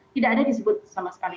tidak ada disebut sama sekali